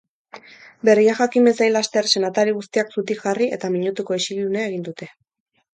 Berria jakin bezain laster senatari guztiak zutik jarri eta minutuko isilunea egin dute.